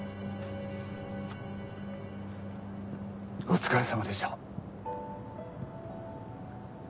お疲れさまでした。